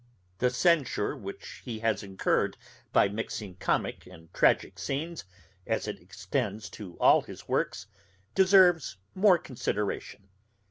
The censure which he has incurred by mixing comick and tragick scenes, as it extends to all his works, deserves more consideration.